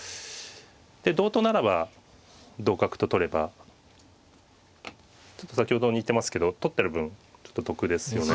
で同とならば同角と取ればちょっと先ほどと似てますけど取ってある分ちょっと得ですよね。